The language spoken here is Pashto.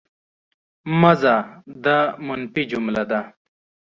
مه ځه! دا منفي جمله ده.